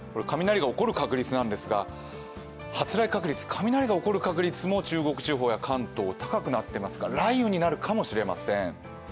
雷が起こる確率なんですが発雷確率、雷が起こる確率も中国地方や関東、高くなっていますから、雷雨になるかもしれません。